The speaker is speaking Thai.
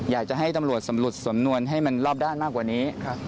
อยากจะให้ตำรวจสำรวจสำนวนให้มันรอบด้านมากกว่านี้